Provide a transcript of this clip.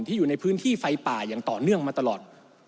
อยู่ในพื้นที่ไฟป่าอย่างต่อเนื่องมาตลอด